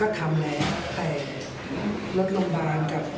ทุกคนเราต้องขอโทษด้วยนะครับ